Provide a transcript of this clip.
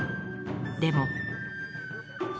でも。